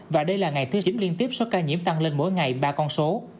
và đây là ngày thứ chín liên tiếp số ca nhiễm tăng lên mỗi ngày ba con số